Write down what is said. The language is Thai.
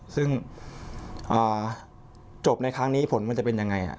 ซึ่งจบในครั้งนี้ผลมันจะเป็นยังไง